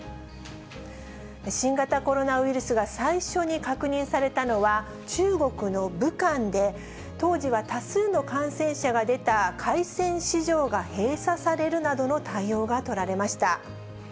新型コロナウイルスが最初に確認されたのは、中国の武漢で、当時は多数の感染者が出た海鮮市場が閉鎖されるなどの対応が取られました。